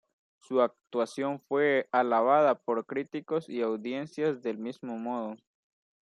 Su actuación fue alabada por críticos y audiencias del mismo modo.